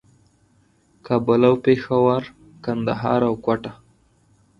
کابل او پېښور، کندهار او کوټه